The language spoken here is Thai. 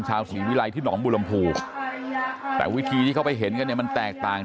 ชาวศรีวิรัยที่หนองบุรมภูแต่วิธีที่เขาไปเห็นกันเนี่ยมันแตกต่าง